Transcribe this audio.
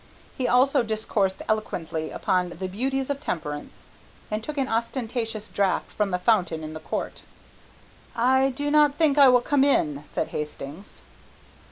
He also discoursed eloquently upon the beauties of temperance, and took an ostentatious draught from the fountain in the court. "I do not think I will come in," said Hastings.